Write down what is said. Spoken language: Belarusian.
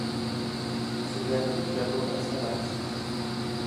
З гэтым трэба працаваць.